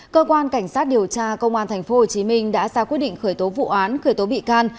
cơ quan cảnh sát điều tra công an tp hcm đã ra quyết định khởi tố vụ án khởi tố bị can